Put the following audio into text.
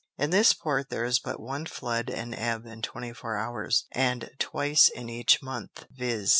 In this Port there is but one Flood and Ebb in 24 Hours; and twice in each Month, _viz.